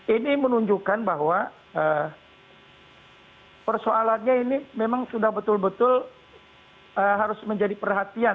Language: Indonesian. ini menunjukkan bahwa persoalannya ini memang sudah betul betul harus menjadi perhatian